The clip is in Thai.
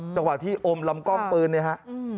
จังหวัดที่อมลำกล้องปืนนะฮะ